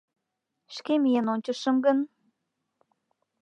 Шке миен ончышым гын